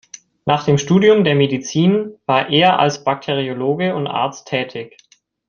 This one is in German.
Nach dem Studium der Medizin war er als Bakteriologe und Arzt tätig.